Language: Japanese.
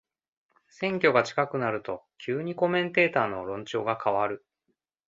選挙が近くなると急にコメンテーターの論調が変わる